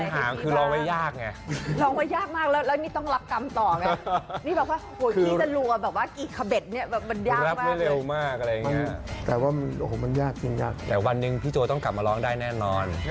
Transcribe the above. ทุกคนรอฟังกัน